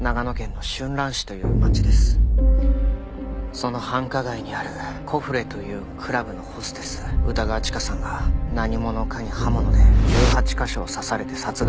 その繁華街にあるコフレというクラブのホステス歌川チカさんが何者かに刃物で１８カ所を刺されて殺害されました。